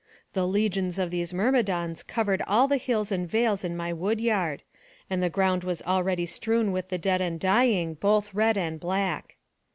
The legions of these Myrmidons covered all the hills and vales in my wood yard, and the ground was already strewn with the dead and dying, both red and black.